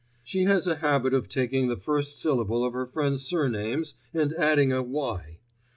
She has a habit of taking the first syllable of her friends' surnames and adding a "y."